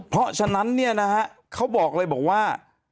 เพราะฉะนั้นเนี่ยนะฮะเขาบอกเลยบอกว่า